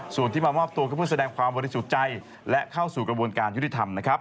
ส่วนที่มามอบตัวก็เพื่อแสดงความบริสุทธิ์ใจและเข้าสู่กระบวนการยุติธรรมนะครับ